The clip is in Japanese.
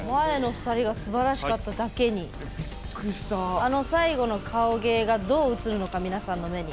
あの最後の顔芸がどう映るのか皆さんの目に。